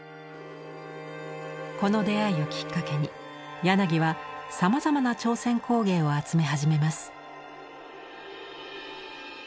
この出会いをきっかけに柳はさまざまな朝鮮工芸を集め始めます。